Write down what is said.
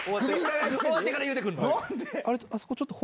終わってから言うてくんの？